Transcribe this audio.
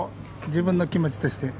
自分の気持ちとして。